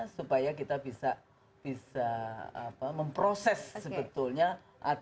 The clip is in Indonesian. supaya kita bisa memproses sebetulnya